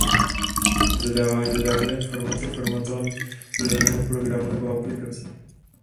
Slouží k zadávání textové informace uživatelem do daného programu nebo aplikace.